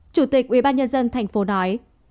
chủ tịch ubnd tp nói